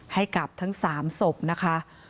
ให้กับทั้ง๓ศพนะคะ